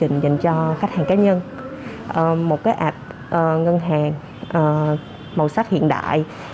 một ứng dụng dành cho khách hàng cá nhân một app ngân hàng màu sắc hiện đại